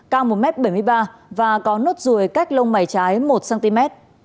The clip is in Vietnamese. cao một m bảy mươi ba và có nốt ruồi cách lông mảy trái một cm